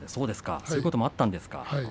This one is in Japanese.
そんなこともあったんですか。